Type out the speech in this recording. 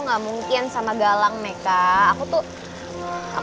ada yang sakit ya